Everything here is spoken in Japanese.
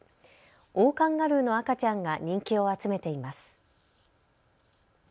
オオカンガルーの赤ちゃんが人気を集めています。